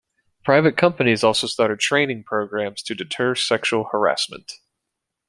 Private companies also started training programs to deter sexual harassment.